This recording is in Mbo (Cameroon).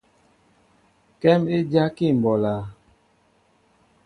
Kém é dyákí mɓolā.